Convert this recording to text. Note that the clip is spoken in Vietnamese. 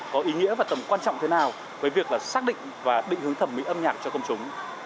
có ý nghĩa và tầm quan trọng thế nào với việc là xác định và định hướng thẩm mỹ âm nhạc cho công chúng